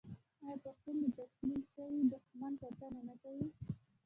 آیا پښتون د تسلیم شوي دښمن ساتنه نه کوي؟